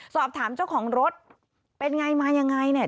สอบถามเจ้าของรถเป็นไงมายังไงเนี่ย